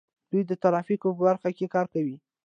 دوی د ترافیکو په برخه کې کار کوي.